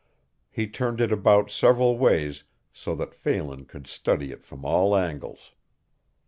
He turned it about several ways so that Phelan could study it from all angles.